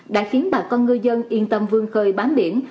đã khiến bà con ngư dân yên tâm vương khơi bám biển